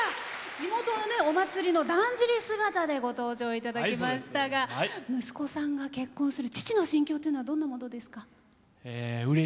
地元はお祭りのだんじり姿でご登場いただきましたが息子さんが結婚する父の心境というのはどんなものですか？